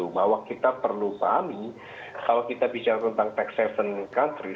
bahwa kita perlu pahami kalau kita bicara tentang tax haven country